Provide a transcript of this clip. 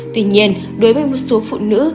tuy nhiên đối với một số phụ nữ